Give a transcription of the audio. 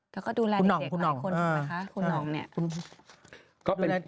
เขาก็ดูแลเด็กหลายคนนะคะคุณหนองเนี่ย